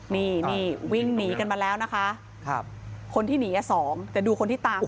นี่นี่วิ่งหนีกันมาแล้วนะคะคนที่หนีอ่ะสองแต่ดูคนที่ตาม